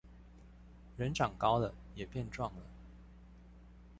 人長高了也變壯了